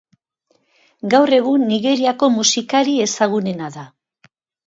Gaur egun Nigeriako musikari ezagunena da.